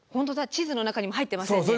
地図の中にも入ってませんね。